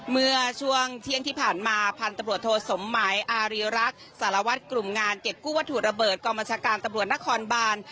เมื่อช่วงเที่ยงที่ผ่านมาพันธุ์ตำรวจโทสมหมายอารีรักษ์สารวัตรกลุ่มงานเก็บกู้วัตถุระเบิดกองบัญชาการตำรวจนครบาน